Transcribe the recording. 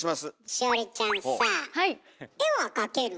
栞里ちゃんさあ絵は描ける？